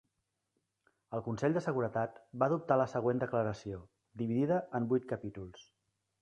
El Consell de Seguretat va adoptar la següent declaració, dividida en vuit capítols.